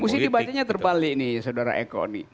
mesti dibacanya terbalik nih saudara eko nih